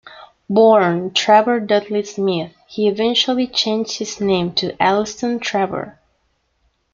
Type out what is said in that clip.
Born Trevor Dudley-Smith, he eventually changed his name to Elleston Trevor.